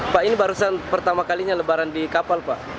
pak ini barusan pertama kalinya lebaran di kapal pak